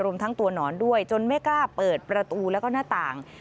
รวมทั้งตัวหนอนด้วยจนไม่กล้าเปิดประตูแล้วก็หน้าต่าง